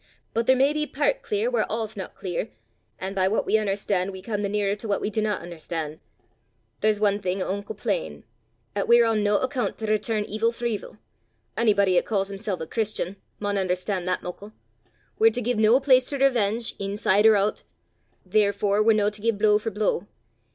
But there may be pairt clear whaur a' 's no clear; an' by what we un'erstan' we come the nearer to what we dinna un'erstan'. There's ae thing unco plain 'at we're on no accoont to return evil for evil: onybody 'at ca's himsel' a Christian maun un'erstan' that muckle. We're to gie no place to revenge, inside or oot. Therefore we're no to gie blow for blow.